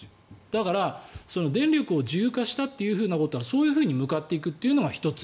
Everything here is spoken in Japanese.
だから、電力を自由化したということはそういうふうに向かっていくというのが１つ。